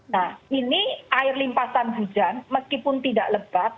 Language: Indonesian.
nah ini air limpasan hujan meskipun tidak lebat